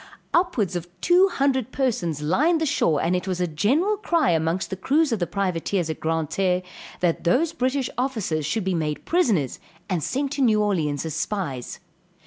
Upwards of two hundred persons lined the shore, and it was a general cry amongst the crews of the privateers at Grand Terre, that those British officers should be made prisoners and sent to New Orleans as spies.